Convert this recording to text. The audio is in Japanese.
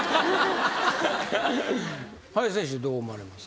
林選手どう思われます？